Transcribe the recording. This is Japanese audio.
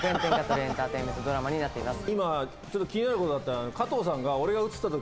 エンターテインメントドラマになっています。